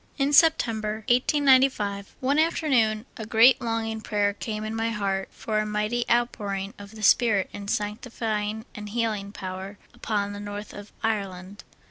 In September, 1895, one afternoon a great longing prayer came in my heart for a mighty outpouring of the Spirit in sanctifying and healing power upon the north of Ireland.